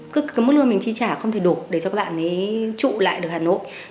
cái mức lương mình chi trả không thể đủ để cho các bạn ấy trụ lại được hà nội